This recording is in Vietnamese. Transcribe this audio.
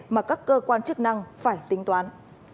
mà các cơ quan chức năng phải tính toán